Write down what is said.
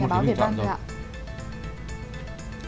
một phiếu bình chọn rồi ạ